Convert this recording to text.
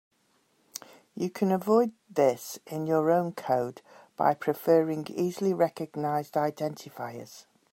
You can avoid this in your own code by preferring easily recognized identifiers.